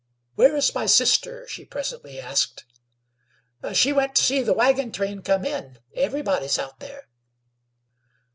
"Where is my sister?" she presently asked. "She went to see the wagon train come in. Everybody's out there."